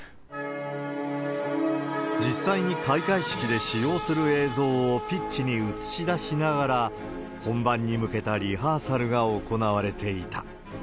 実際に開会式で使用する映像をピッチに映し出しながら、本番に向けたリハーサルが行われていた。